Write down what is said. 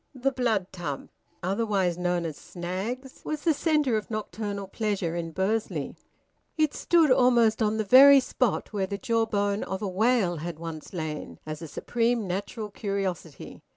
The Blood Tub, otherwise known as Snaggs's, was the centre of nocturnal pleasure in Bursley. It stood almost on the very spot where the jawbone of a whale had once lain, as a supreme natural curiosity.